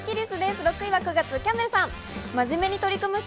６位は９月、キャンベルさん。